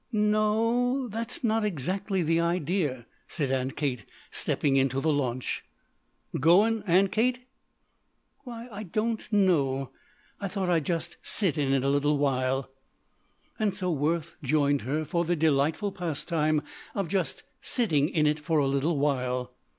"N o; that's not exactly the idea," said Aunt Kate, stepping into the launch. "Goin', Aunt Kate?" "Why I don't know. I thought I'd just sit in it a little while." So Worth joined her for the delightful pastime of just sitting in it for a little while.